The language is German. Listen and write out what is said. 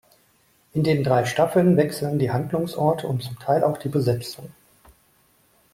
In den drei Staffeln wechseln die Handlungsorte und zum Teil auch die Besetzung.